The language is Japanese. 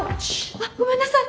あっごめんなさい！